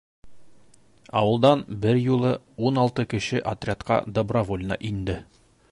Ауылдан бер юлы ун алты кеше отрядҡа добровольно инде.